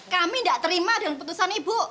kami gak terima dengan keputusan ibu